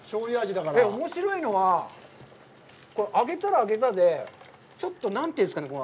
おもしろいのが、揚げたら揚げたで、ちょっとなんというんですかね。